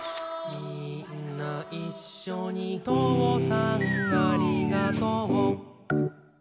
「みーんないっしょにとうさんありがとう」